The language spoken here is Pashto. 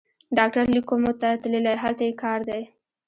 ډاکټر لېک کومو ته تللی، هلته یې کار دی.